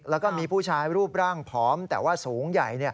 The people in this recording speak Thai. แล้วก็มีผู้ชายรูปร่างผอมแต่ว่าสูงใหญ่